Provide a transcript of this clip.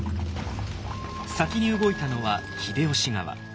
先に動いたのは秀吉側。